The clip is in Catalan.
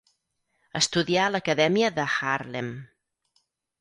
Estudià a l'acadèmia de Haarlem.